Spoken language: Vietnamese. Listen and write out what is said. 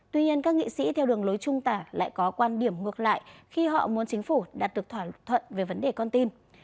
tuy nhiên các nghị sĩ theo đường lối trung tả lại có quan điểm ngược lại khi họ muốn chính phủ đạt được thỏa thuận về vấn đề con tin